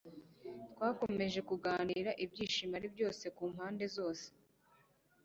Twakomeje kuganira ibyishimo ari byose kumpande zose